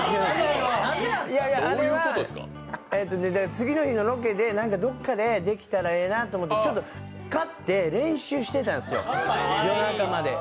あれは、次の日のロケで、どこかでできたらええなと思って、ちょっと買って練習してたんですよ、夜中まで。